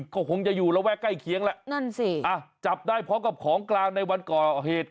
ก็คงจะอยู่ระแวกใกล้เคียงแหละนั่นสิอ่ะจับได้พร้อมกับของกลางในวันก่อเหตุ